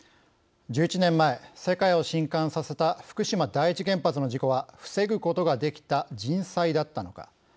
１１年前、世界をしんかんさせた福島第一原発の事故は防ぐことができた人災だったのか。